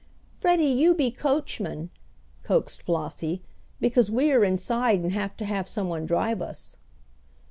"Freddie, you be coachman," coaxed Flossie, "because we are inside and have to have someone drive us."